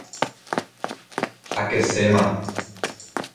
Akeséma.